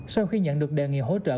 sau khi nhận được đề nghị hỗ trợ